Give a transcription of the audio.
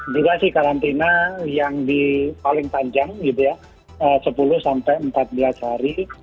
juga sih karantina yang paling panjang gitu ya sepuluh sampai empat belas hari